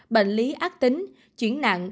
bệnh lý ác tính chuyển nặng